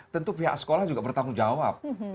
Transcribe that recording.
tentu pihak sekolah juga bertanggung jawab